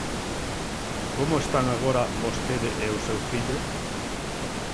Como están agora vostede e o seu fillo?